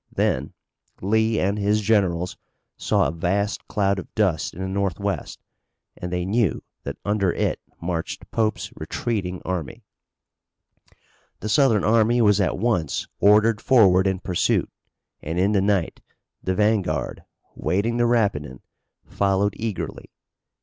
Then Lee and his generals saw a vast cloud of dust in the northwest and they knew that under it marched Pope's retreating army. The Southern army was at once ordered forward in pursuit and in the night the vanguard, wading the Rapidan, followed eagerly.